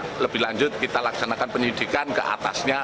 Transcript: mungkin bisa lebih lanjut kita laksanakan penyelidikan ke atasnya